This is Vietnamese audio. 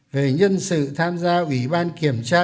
về nhân sự tham gia ủy ban kiểm tra